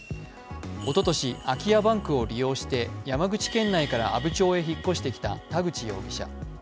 おととし空き家バンクを利用して山口県内から阿武町へ引っ越してきた田口容疑者。